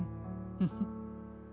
フフッ。